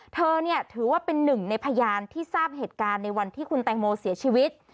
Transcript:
เธอเนี่ยถือว่าเป็นหนึ่งในพยานที่ทราบเหตุการณ์ในวันที่คุณแตงโมเสียชีวิต